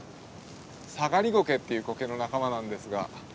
サガリゴケっていうコケの仲間なんですが。